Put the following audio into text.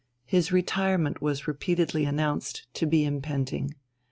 His retirement was repeatedly announced to be impending.